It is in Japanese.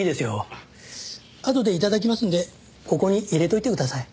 あとで頂きますのでここに入れておいてください。